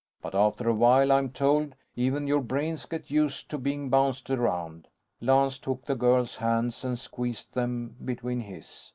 But after a while, I'm told, even your brains get used to being bounced around." Lance took the girl's hands and squeezed them between his.